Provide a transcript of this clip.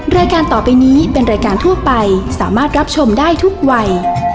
รายการต่อไปนี้เป็นรายการทั่วไปสามารถรับชมได้ทุกวัย